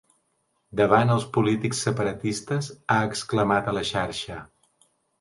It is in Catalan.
Davant els polítics separatistes, ha exclamat a la xarxa.